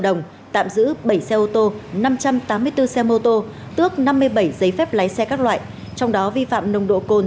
đồng tạm giữ bảy xe ô tô năm trăm tám mươi bốn xe mô tô tước năm mươi bảy giấy phép lái xe các loại trong đó vi phạm nồng độ cồn